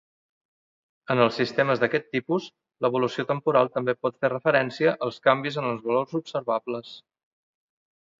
En els sistemes d'aquest tipus, l'evolució temporal també pot fer referència als canvis en els valors observables.